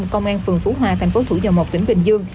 công an phường phú hòa thành phố thủ dầu một tỉnh bình dương